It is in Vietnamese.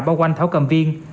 bao quanh thảo cầm viên